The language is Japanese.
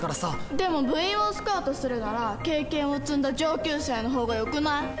でも部員をスカウトするなら経験を積んだ上級生の方がよくない？